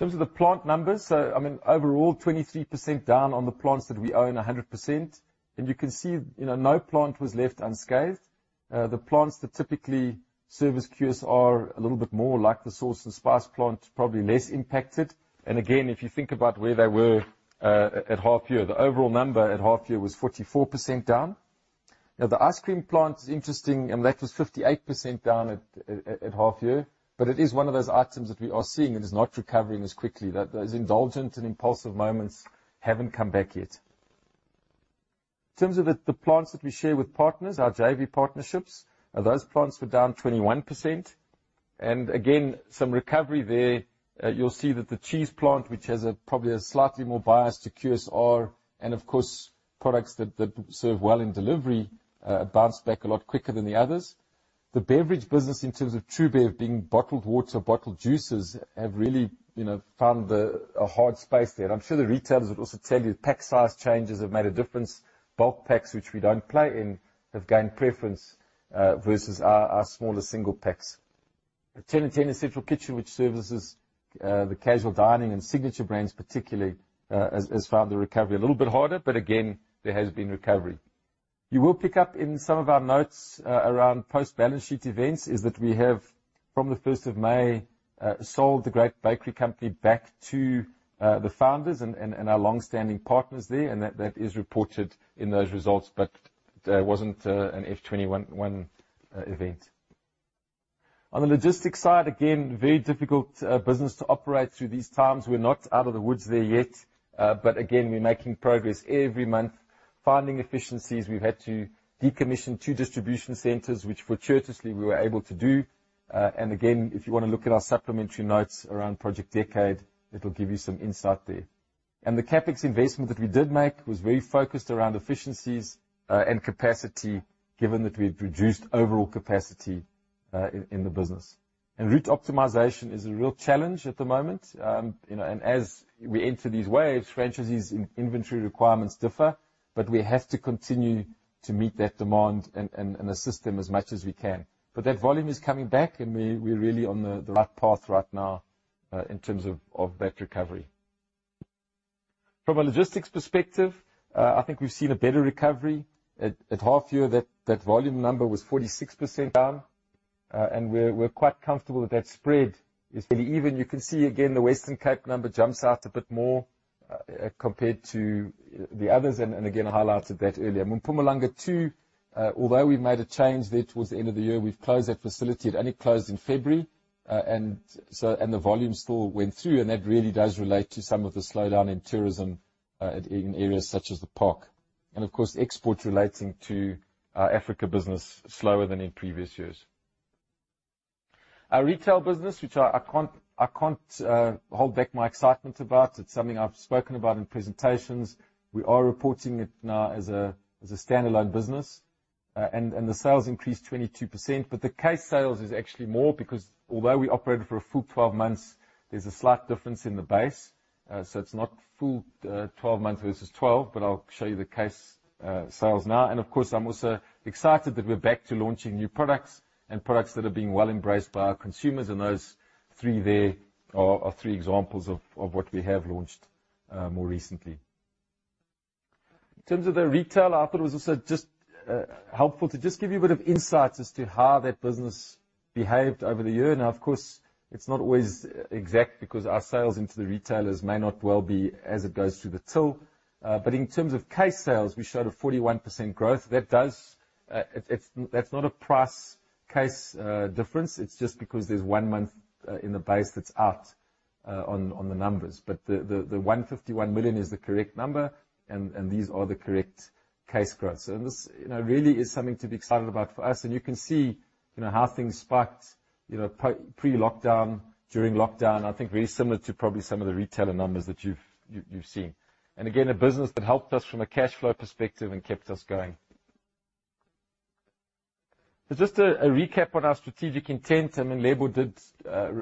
In terms of the plant numbers, so overall, 23% down on the plants that we own 100%, and you can see no plant was left unscathed. The plants that typically service QSR a little bit more, like the sauce and spice plant, probably less impacted. Again, if you think about where they were at half year, the overall number at half year was 44% down. The ice cream plant is interesting, that was 58% down at half year, but it is one of those items that we are seeing is not recovering as quickly. Those indulgent and impulsive moments haven't come back yet. In terms of the plants that we share with partners, our JV partnerships, those plants were down 21%. Again, some recovery there. You'll see that the cheese plant, which has probably a slightly more bias to QSR, and of course, products that serve well in delivery, bounced back a lot quicker than the others. The beverage business in terms of TruBev being bottled water, bottled juices, have really found a hard space there. I'm sure the retailers would also tell you pack size changes have made a difference. Bulk packs, which we don't play in, have gained preference versus our smaller single packs. Ten Ten Central Kitchen, which services the casual dining and Signature Brands particularly, has found the recovery a little bit harder. Again, there has been recovery. You will pick up in some of our notes around post-balance sheet events is that we have, from the 1st of May, sold The Great Bakery company back to the founders and our long-standing partners there, and that is reported in those results. There wasn't an F21 event. On the logistics side, again, very difficult business to operate through these times. We're not out of the woods there yet. Again, we're making progress every month, finding efficiencies. We've had to decommission two distribution centers, which fortuitously we were able to do. If you want to look at our supplementary notes around Project Decade, it'll give you some insight there. The CapEx investment that we did make was very focused around efficiencies and capacity, given that we had reduced overall capacity in the business. Route optimization is a real challenge at the moment. As we enter these waves, franchisees' inventory requirements differ, but we have to continue to meet that demand and assist them as much as we can. That volume is coming back, and we're really on the right path right now in terms of that recovery. From a logistics perspective, I think we've seen a better recovery. At half year, that volume number was 46% down, and we're quite comfortable with that spread. It's pretty even. You can see again, the Western Cape number jumps out a bit more compared to the others, and again, I highlighted that earlier. Mpumalanga too, although we made a change there towards the end of the year, we've closed that facility. It only closed in February, the volume still went through, and that really does relate to some of the slowdown in tourism in areas such as the park. Of course, exports relating to our Africa business, slower than in previous years. Our retail business, which I can't hold back my excitement about. It's something I've spoken about in presentations. We are reporting it now as a standalone business, the sales increased 22%. The case sales is actually more because although we operated for a full 12 months, there's a slight difference in the base. It's not full 12 months versus 12, but I'll show you the case sales now. Of course, I'm also excited that we're back to launching new products and products that are being well embraced by our consumers, and those three there are three examples of what we have launched more recently. In terms of the retail, I thought it was also just helpful to just give you a bit of insight as to how that business behaved over the year. Of course, it's not always exact because our sales into the retailers may not well be as it goes through the till. In terms of case sales, we showed a 41% growth. That's not a price case difference, it's just because there's one month in the base that's out on the numbers. The 151 million is the correct number, and these are the correct case growths. This really is something to be excited about for us. You can see how things spiked pre-lockdown, during lockdown, I think very similar to probably some of the retailer numbers that you've seen. Again, a business that helped us from a cash flow perspective and kept us going. Just a recap on our strategic intent, I mean Lebo did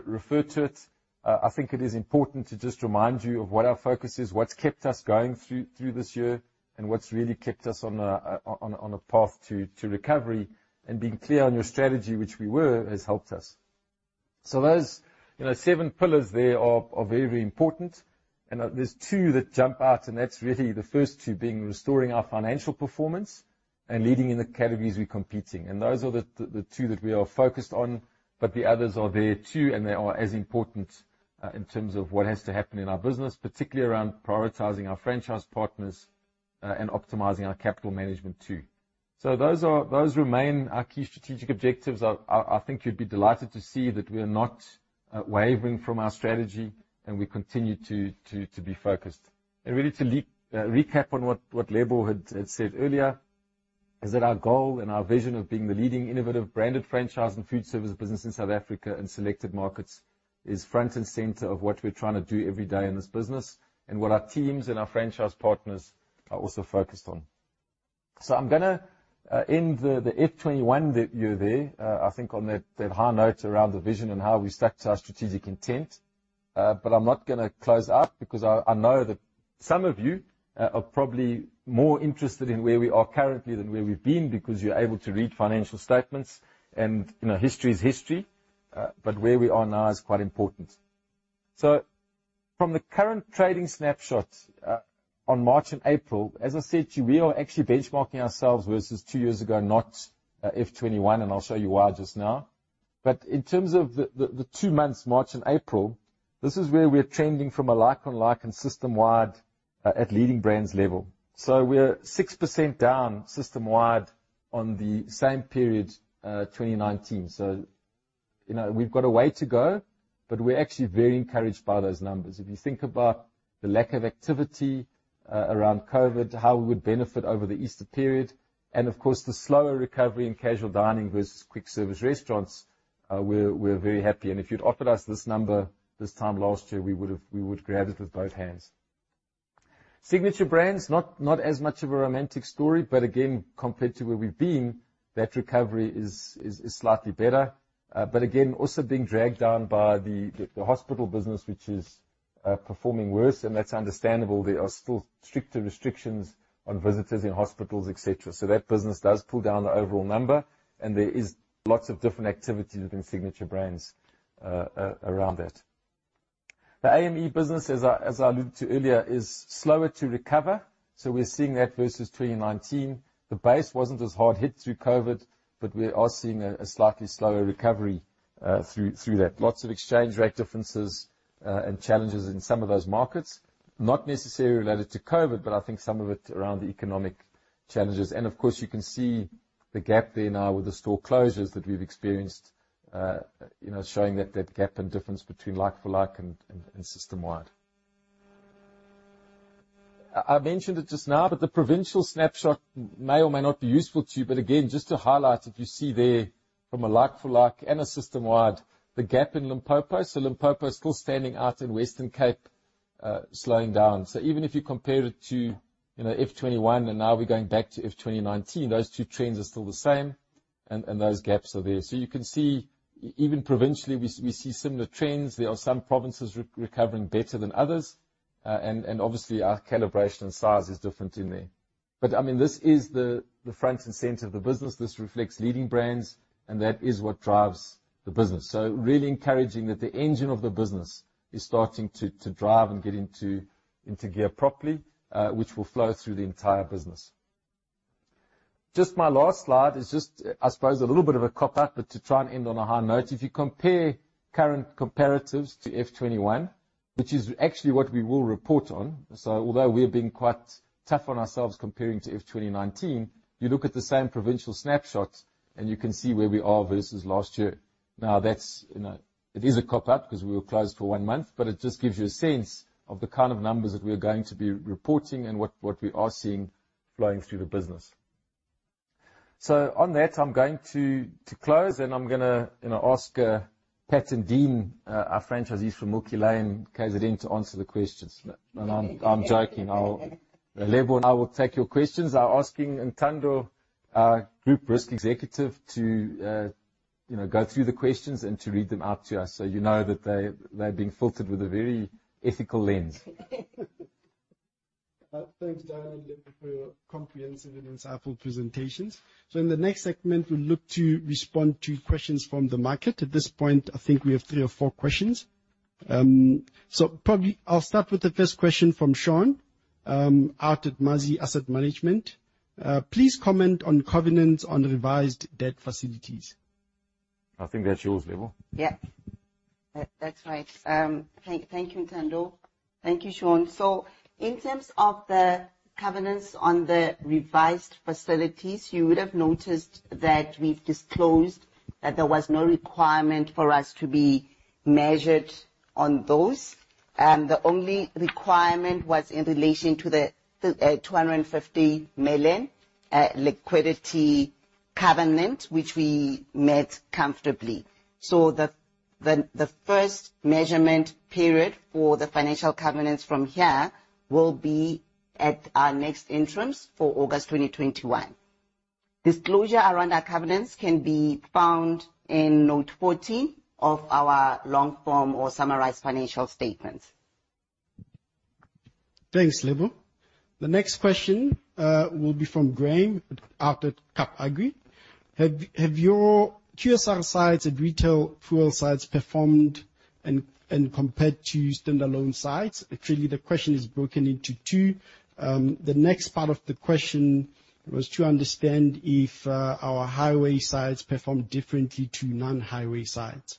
refer to it. I think it is important to just remind you of what our focus is, what's kept us going through this year, and what's really kept us on a path to recovery. Being clear on your strategy, which we were, has helped us. Those seven pillars there are very, very important, and there's two that jump out, and that's really the first two being restoring our financial performance and leading in the categories we're competing. Those are the two that we are focused on. The others are there too, and they are as important in terms of what has to happen in our business, particularly around prioritizing our franchise partners and optimizing our capital management too. Those remain our key strategic objectives. I think you'd be delighted to see that we're not wavering from our strategy, and we continue to be focused. Really to recap on what Lebo had said earlier, is that our goal and our vision of being the leading innovative branded franchise and food service business in South Africa and selected markets is front and center of what we're trying to do every day in this business and what our teams and our franchise partners are also focused on. I'm going to end the F21 year there, I think, on that high note around the vision and how we stack to our strategic intent. I'm not going to close up because I know that some of you are probably more interested in where we are currently than where we've been because you're able to read financial statements, and history is history. Where we are now is quite important. From the current trading snapshot on March and April, as I said to you, we are actually benchmarking ourselves versus two years ago, not F21, and I'll show you why just now. In terms of the two months, March and April, this is where we're trending from a like-on-like and system-wide at Leading Brands level. We're 6% down system-wide on the same period 2019. We've got a way to go, but we're actually very encouraged by those numbers. If you think about the lack of activity around COVID-19, how we would benefit over the Easter period, and of course, the slower recovery in casual dining versus quick service restaurants, we're very happy. If you'd offered us this number this time last year, we would grab it with both hands. Signature Brands, not as much of a romantic story, again, compared to where we've been, that recovery is slightly better. Again, also being dragged down by the hospital business, which are performing worse, and that's understandable. There are still stricter restrictions on visitors in hospitals, et cetera. That business does pull down the overall number, and there is lots of different activities within Signature Brands around it. The AME business, as I alluded to earlier, is slower to recover, we're seeing that versus 2019. The base wasn't as hard hit through COVID, we are seeing a slightly slower recovery through that. Lots of exchange rate differences and challenges in some of those markets, not necessarily related to COVID, I think some of it around the economic challenges. Of course, you can see the gap there now with the store closures that we've experienced, showing that gap and difference between like-for-like and system wide. I mentioned it just now, the provincial snapshot may or may not be useful to you. Again, just to highlight that you see there from a like-for-like and a system wide, the gap in Limpopo. Limpopo is still standing out in Western Cape, slowing down. Even if you compare it to F 2021, and now we're going back to F2019, those two trends are still the same and those gaps are there. You can see even provincially, we see similar trends. There are some provinces recovering better than others, and obviously our calibration size is different in there. This is the front and center of the business. This reflects Leading Brands, and that is what drives the business. Really encouraging that the engine of the business is starting to drive and get into gear properly, which will flow through the entire business. Just my last slide is just, I suppose, a little bit of a cop-out, but to try and end on a high note. If you compare current comparatives to F21, which is actually what we will report on, although we've been quite tough on ourselves comparing to F2019, you look at the same provincial snapshots, and you can see where we are versus last year. Now, it is a cop-out because we were closed for one month, but it just gives you a sense of the kind of numbers that we're going to be reporting and what we are seeing flowing through the business. On that, I'm going to close, and I'm going to ask Pat and Dean, our franchisees from Milky Lane, to answer the questions. No, I'm joking. Lebo and I will take your questions. I ask Ntando, our Group Risk Executive, to go through the questions and to read them out to us, you know that they're being filtered with a very ethical lens. Thanks, Darren, for your comprehensive and insightful presentations. In the next segment, we look to respond to questions from the market. At this point, I think we have three or four questions. Probably I'll start with the first question from Sean out at Mazi Asset Management. Please comment on covenants on revised debt facilities. I think that's yours, Lebo. Yeah. That's right. Thank you, Ntando. Thank you, Sean. In terms of the covenants on the revised facilities, you would have noticed that we've disclosed that there was no requirement for us to be measured on those. The only requirement was in relation to the 250 million liquidity covenant, which we met comfortably. The first measurement period for the financial covenants from here will be at our next interest for August 2021. Disclosure around our covenants can be found in Note 14 of our long form or summarized financial statement. Thanks, Lebo. The next question will be from Graeme out at Cap Agri. Have your QSR sites and retail fuel sites performed and compared to standalone sites? Actually, the question is broken into two. The next part of the question was to understand if our highway sites perform differently to non-highway sites.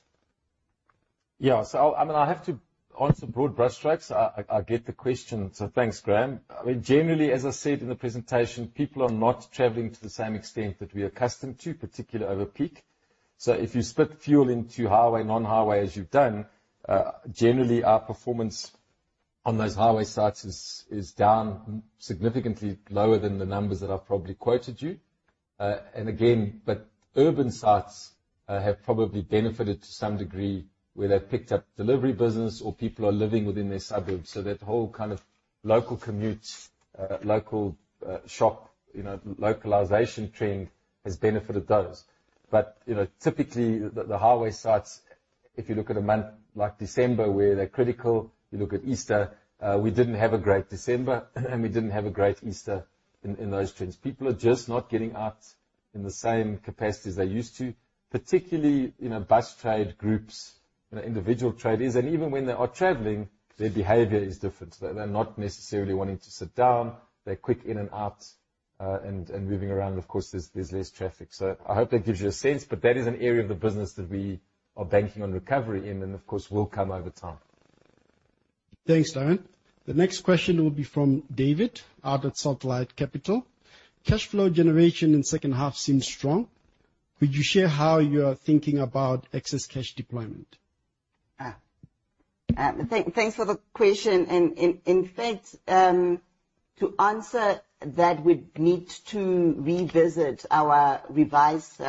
Yeah. I have to answer broad brushstrokes. I get the question, so thanks, Graeme. Generally, as I said in the presentation, people are not traveling to the same extent that we are accustomed to, particularly over peak. If you split fuel into highway, non-highway, as you've done, generally, our performance on those highway sites is down significantly lower than the numbers that I probably quoted you. Again, urban sites have probably benefited to some degree where they picked up delivery business or people are living within their suburbs. That whole kind of local commutes, local shop, localization trend has benefited those. Typically, the highway sites, if you look at a month like December, where they're critical, you look at Easter, we didn't have a great December, and we didn't have a great Easter in those trends. People are just not getting out in the same capacity as they used to, particularly bus trade groups and individual traders. Even when they are traveling, their behavior is different. They're not necessarily wanting to sit down. They're quick in and out, and moving around. Of course, there's less traffic. I hope that gives you a sense, but that is an area of the business that we are banking on recovery in, and of course, will come over time. Thanks, Darren. The next question will be from David out at SaltLight Capital. Cash flow generation in the second half seems strong. Could you share how you are thinking about excess cash deployment? Thanks for the question. In fact, to answer that, we'd need to revisit our revised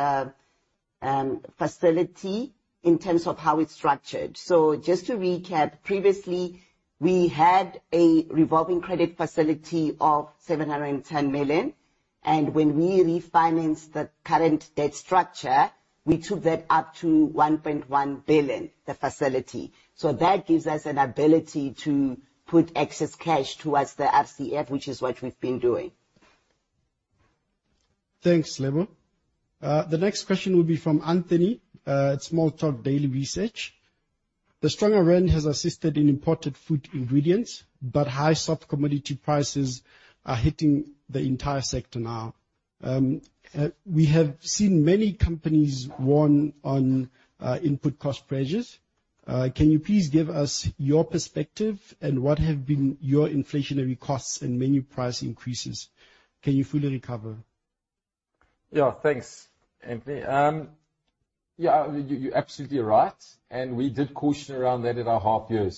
facility in terms of how it's structured. Just to recap, previously, we had a revolving credit facility of 710 million. When we refinanced the current debt structure, we took that up to 1.1 billion, the facility. That gives us an ability to put excess cash towards the RCF, which is what we've been doing. Thanks, Lebo. The next question will be from Anthony at Small Talk Daily Research. The stronger rand has assisted in imported food ingredients, but high soft commodity prices are hitting the entire sector now. We have seen many companies warn on input cost pressures. Can you please give us your perspective and what have been your inflationary costs and menu price increases? Can you fully recover? Thanks, Anthony. You're absolutely right. We did caution around that at our half year.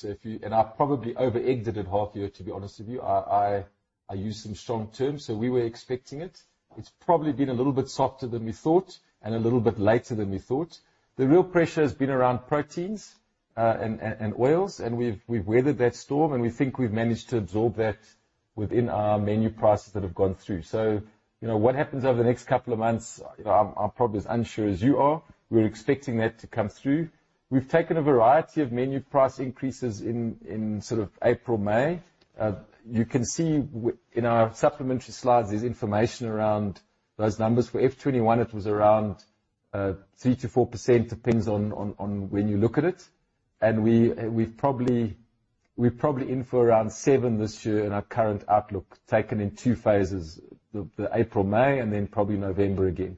I probably over-egged it at half year, to be honest with you. I used some strong terms. We were expecting it. It's probably been a little bit softer than we thought and a little bit later than we thought. The real pressure has been around proteins and oils, and we've weathered that storm, and we think we've managed to absorb that within our menu prices that have gone through. What happens over the next couple of months, I'm probably as unsure as you are. We're expecting that to come through. We've taken a variety of menu price increases in April/May. You can see in our supplementary slides, there's information around those numbers. For F21, it was around 3%-4%, depends on when you look at it. We're probably in for around seven this year in our current outlook, taken in two phases, the April/May, then probably November again.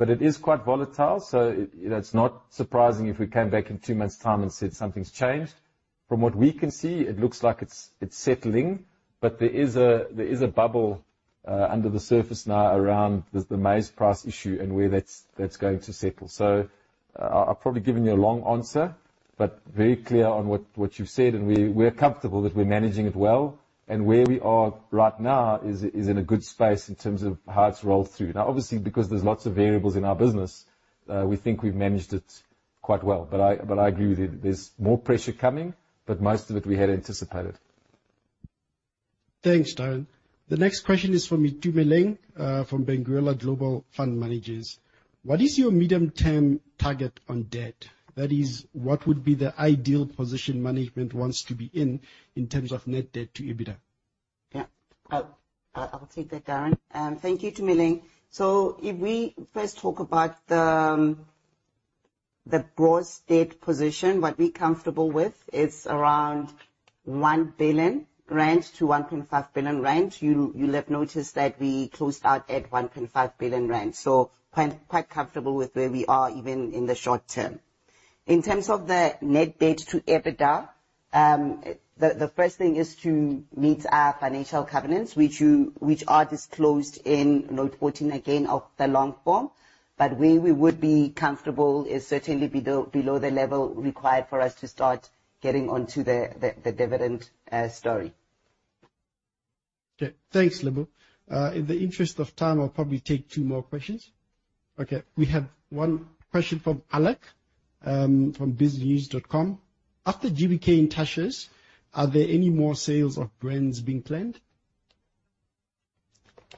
It is quite volatile, so it's not surprising if we came back in two months' time and said something's changed. From what we can see, it looks like it's settling, but there is a bubble under the surface now around the maize price issue and where that's going to settle. I've probably given you a long answer, but very clear on what you've said, and we're comfortable that we're managing it well. Where we are right now is in a good space in terms of how it's rolled through. Obviously, because there's lots of variables in our business, we think we've managed it quite well. I agree with you. There's more pressure coming, but most of it we had anticipated. Thanks, Darren. The next question is from Itumeleng, from Benguela Global Fund Managers. What is your medium-term target on debt? That is, what would be the ideal position management wants to be in terms of net debt to EBITDA? Yeah. I'll take that, Darren. Thank you, Itumeleng. If we first talk about the broad state position, what we're comfortable with is around 1 billion rand range-ZAR 1.5 billion range. You'll have noticed that we closed out at 1.5 billion rand range. Quite comfortable with where we are even in the short term. In terms of the net debt to EBITDA, the first thing is to meet our financial covenants, which are disclosed in Note 14 again of the long form. Where we would be comfortable is certainly below the level required for us to start getting onto the dividend story. Okay. Thanks, Lebo. In the interest of time, I'll probably take two more questions. Okay. We have one question from Alec from biznews.com. After GBK and tashas, are there any more sales of brands being planned?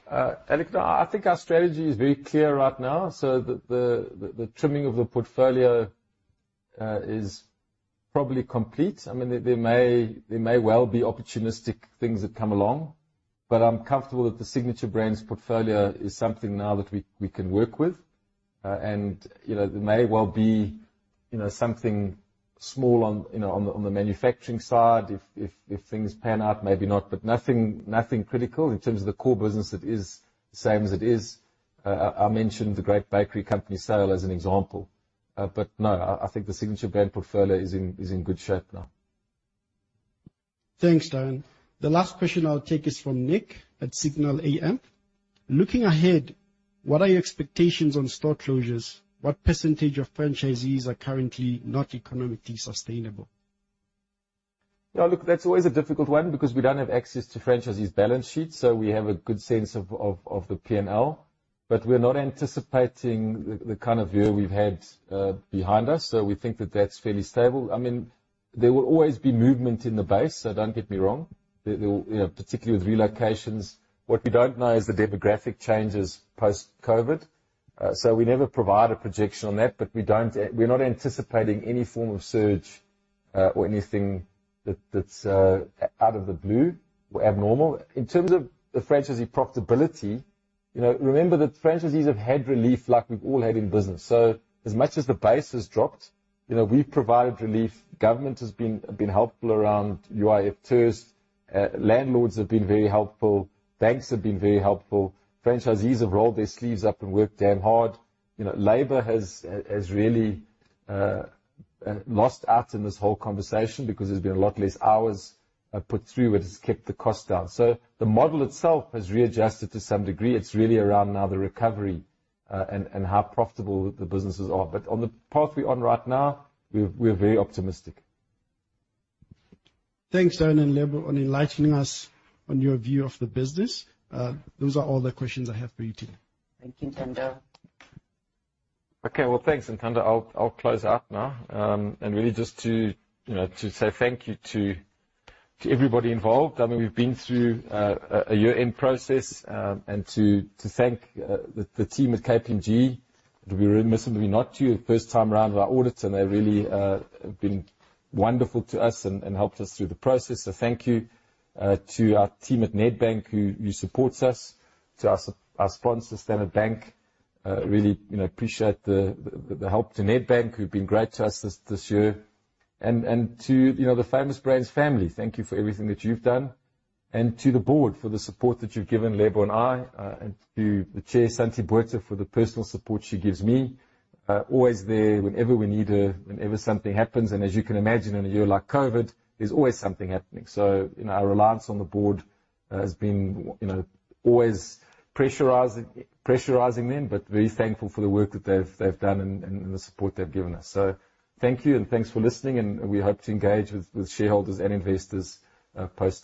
Alec, no, I think our strategy is very clear right now. The trimming of the portfolio is probably complete. There may well be opportunistic things that come along, but I'm comfortable that the Signature Brands portfolio is something now that we can work with. There may well be something small on the manufacturing side if things pan out, maybe not. Nothing critical. In terms of the core business, it is the same as it is. I mentioned the Great Bakery company sale as an example. No, I think the Signature Brand portfolio is in good shape now. Thanks, Darren. The last question I'll take is from Nick at Signal AM. Looking ahead, what are your expectations on store closures? What percentage of franchisees are currently not economically sustainable? Look, that's always a difficult one because we don't have access to franchisees' balance sheets, so we have a good sense of the P&L. We're not anticipating the kind of year we've had behind us. We think that that's fairly stable. There will always be movement in the base, so don't get me wrong, particularly with relocations. What we don't know is the demographic changes post-COVID-19. We never provide a projection on that, but we're not anticipating any form of surge or anything that's out of the blue or abnormal. In terms of the franchisee profitability, remember that franchisees have had relief like we've all had in business. As much as the base has dropped, we've provided relief. Government has been helpful around UIF, TERS. Landlords have been very helpful. Banks have been very helpful. Franchisees have rolled their sleeves up and worked damn hard. Labor has really lost out in this whole conversation because there's been a lot less hours put through, which has kept the cost down. The model itself has readjusted to some degree. It's really around now the recovery and how profitable the businesses are. On the path we're on right now, we're very optimistic. Thanks, Darren and Lebo, on enlightening us on your view of the business. Those are all the questions I have for you two. Thank you, Ntando. Okay. Well, thanks, Ntando. I'll close out now. Really just to say thank you to everybody involved. We've been through a year-end process. To thank the team at KPMG. We were admittedly not your first time around our audit, and they really have been wonderful to us and helped us through the process. Thank you to our team at Nedbank who supports us, to our sponsors, Standard Bank. Really appreciate the help. To Nedbank, who've been great to us this year. To the Famous Brands family, thank you for everything that you've done. To the board for the support that you've given Lebo and I, and to the chair, Santie Botha, for the personal support she gives me. Always there whenever we need her, whenever something happens. As you can imagine, in a year like COVID, there's always something happening. Our reliance on the board has been always pressurizing then, but very thankful for the work that they've done and the support they've given us. Thank you, and thanks for listening, and we hope to engage with shareholders and investors post this.